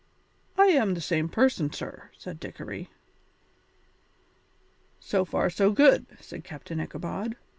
"I am the same person, sir," said Dickory. "So far so good," said Captain Ichabod.